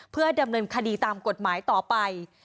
เพื่อดำเนินคดีตามกฎหมายต่อไป